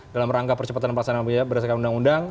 dalam rangka percepatan perasaan yang berdasarkan undang undang